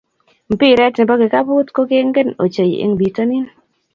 Mpiret ne bo kikapuit ko kenget ochei eng bitonin.